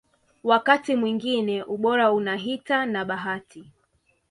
Wakati mwingine ubora unahita na bahati